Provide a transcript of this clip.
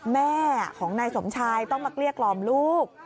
แม่ของนายสมชายต้องมาเกลี้ยกล่อมลูก